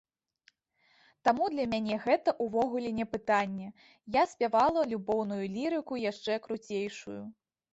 Таму для мяне гэта ўвогуле не пытанне, я спявала любоўную лірыку яшчэ круцейшую.